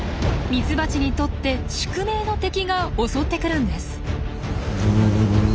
ミツバチにとって宿命の敵が襲ってくるんです。